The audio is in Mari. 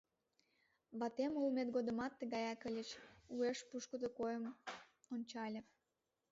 Ватем улмет годымат тыгаяк ыльыч... — уэш пушкыдо койкым ончале.